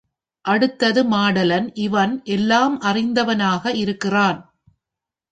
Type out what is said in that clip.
அடுத்தது மாடலன், இவன் எல்லாம் அறிந்தவனாக இருக்கிறான்.